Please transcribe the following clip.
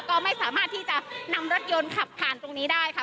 ก็ไม่สามารถที่จะนำรถยนต์ขับผ่านตรงนี้ได้ค่ะ